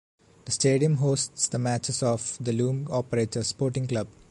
The stadium hosts the matches of the Loom operator Sporting Club.